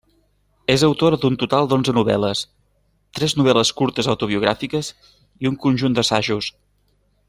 És autora d'un total d'onze novel·les, tres novel·les curtes autobiogràfiques i un conjunt d'assajos.